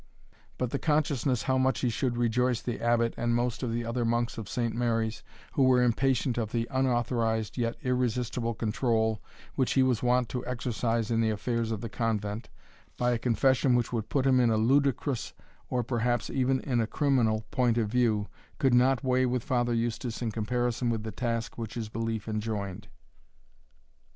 But the consciousness how much he should rejoice the Abbot and most of the other monks of Saint Mary's, who were impatient of the unauthorized, yet irresistible control, which he was wont to exercise in the affairs of the convent, by a confession which would put him in a ludicrous, or perhaps even in a criminal point of view, could not weigh with Father Eustace in comparison with the task which his belief enjoined.